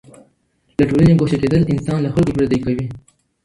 له ټولني ګوښه کېدل انسان له خلګو پردی کوي.